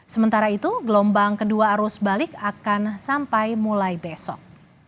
sementara itu gelombang kedua arus balik akan sampai mulai besok